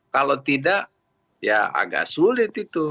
kalau tidak ya agak sulit itu